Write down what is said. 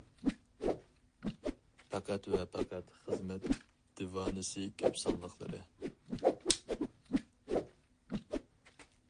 پەقەت ۋە پەقەت خىزمەت دىۋانىسى كۆپ سانلىقلىرى.